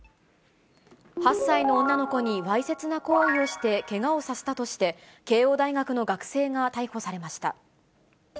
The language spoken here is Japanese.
８歳の女の子にわいせつな行為をしてけがをさせたとして、慶応大学の学生が逮捕されました。